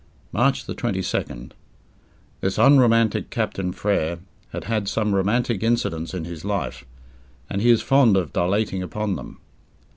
March 22nd. This unromantic Captain Frere had had some romantic incidents in his life, and he is fond of dilating upon them.